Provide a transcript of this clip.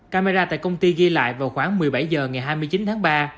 camera tại công ty ghi lại vào khoảng một mươi bảy h ngày hai mươi chín tháng ba